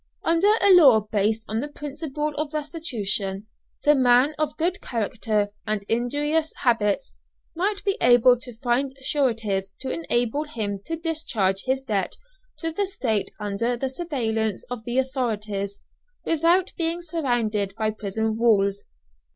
Under a law based on the principle of restitution, the man of good character and industrious habits might be able to find sureties to enable him to discharge his debt to the State under the surveillance of the authorities, without being surrounded by prison walls.